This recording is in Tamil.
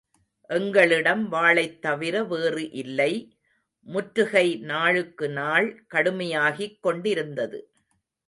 எங்களிடம் வாளைத் தவிர வேறு இல்லை! முற்றுகை நாளுக்கு நாள் கடுமையாகிக் கொண்டிருந்தது.